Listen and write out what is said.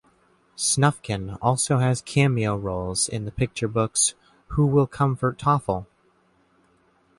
Snufkin also has cameo roles in the picture-books Who Will Comfort Toffle?